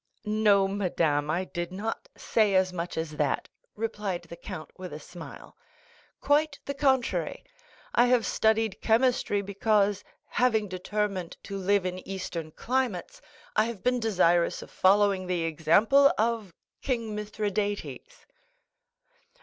"No, madame, I did not say as much as that," replied the count with a smile; "quite the contrary. I have studied chemistry because, having determined to live in eastern climates I have been desirous of following the example of King Mithridates."